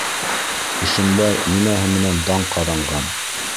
Ишембай нимәһе менән дан ҡаҙанған?